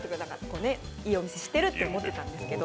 いいお店知ってるって思ってたんですけど。